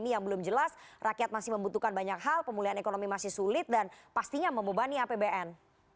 yang belum jelas rakyat masih membutuhkan banyak hal pemulihan ekonomi masih sulit dan pastinya membebani apbn